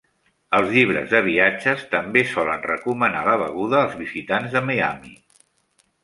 Els llibres de viatges també solen recomanar la beguda als visitants de Miami.